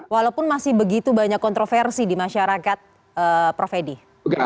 walaupun masih begitu banyak kontroversi di masyarakat prof edi